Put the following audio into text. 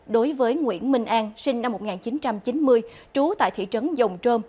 đối với nguyễn minh an sinh năm một nghìn chín trăm chín mươi trú tại thị trấn dòng trôm